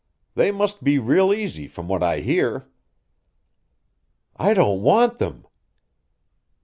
They must be real easy from what I hear." "I don't want them!"